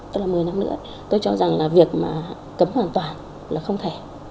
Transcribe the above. tức là một mươi năm nữa tôi cho rằng là việc mà cấm hoàn toàn là không thể